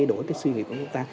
đổi cái suy nghĩ của chúng ta